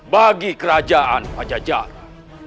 bagi kerajaan pajajara